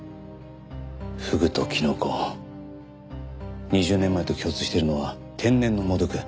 フグとキノコ２０年前と共通しているのは天然の猛毒。